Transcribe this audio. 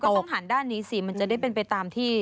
ต้องหันด้านนี้สิมันจะได้เป็นไปตามที่